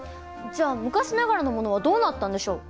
じゃあ昔ながらのものはどうなったんでしょう？